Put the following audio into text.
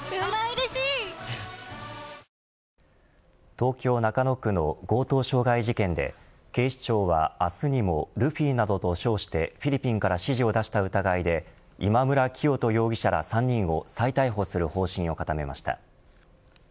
東京・中野区の強盗傷害事件で警視庁は明日にもルフィなどと称してフィリピンから指示を出した疑いで今村磨人容疑者ら３人を再逮捕する方針を固めました。